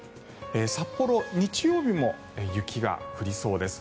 札幌、日曜日も雪が降りそうです。